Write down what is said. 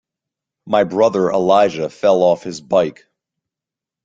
My brother Elijah fell off his bike.